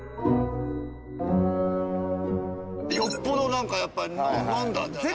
よっぽどやっぱ飲んだんじゃない？